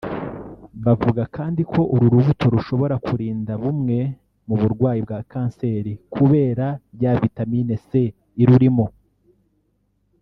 Bavuga kandi ko uru rubuto rushobora kurinda bumwe mu burwayi bwa cancer kubera ya vitamine C irurimo